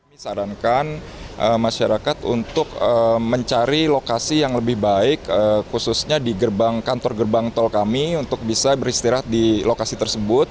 kami sarankan masyarakat untuk mencari lokasi yang lebih baik khususnya di kantor gerbang tol kami untuk bisa beristirahat di lokasi tersebut